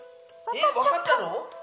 えっ分かったの？